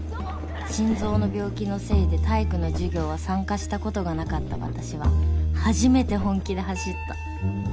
心臓の病気のせいで体育の授業は参加したことがなかった私は初めて本気で走った。